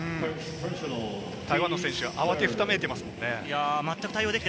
台湾の選手、慌てふためいてますもんね。